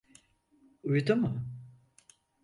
Uyudu mu?